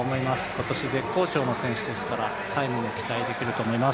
今年絶好調の選手ですからタイムも期待できると思います。